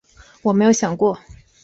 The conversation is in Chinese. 我没有想过